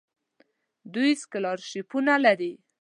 دوی سکالرشیپونه لري.